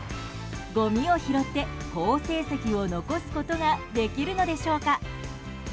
ごみを拾って好成績を残すことができるのでしょうか。